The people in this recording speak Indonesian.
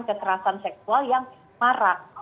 kekerasan seksual yang marah